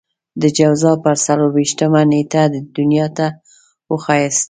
د جوزا پر څلور وېشتمه نېټه دنيا ته وښاياست.